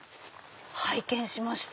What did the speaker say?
拝見しまして。